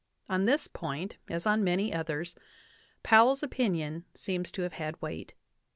On this point, as on many others, Powell's opinion seems to have had weight.